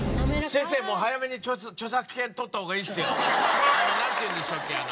先生早めにちょさっけん取った方がいいですよ。なんていうんでしたっけ？